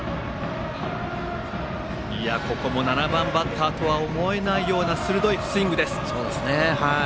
ここも７番バッターとは思えないような鋭いスイングです。